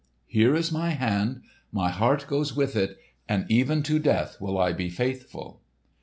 Here is my hand; my heart goes with it, and even to death will I be faithful!"